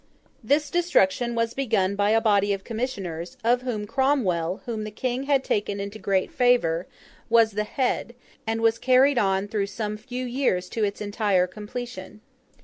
This destruction was begun by a body of commissioners, of whom Cromwell (whom the King had taken into great favour) was the head; and was carried on through some few years to its entire completion.